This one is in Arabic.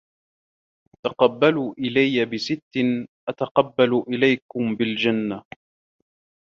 تَقَبَّلُوا إلَيَّ بِسِتٍّ أَتَقَبَّلُ إلَيْكُمْ بِالْجَنَّةِ